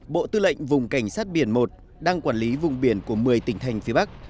bộ tư lệnh vùng cảnh sát biển một đang quản lý vùng biển của một mươi tỉnh thành phía bắc